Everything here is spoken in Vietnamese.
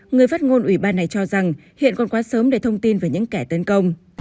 người phát ngôn ủy ban này cho rằng hiện còn quá sớm để thông tin về những kẻ tấn công